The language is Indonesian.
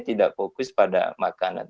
tidak fokus pada makanan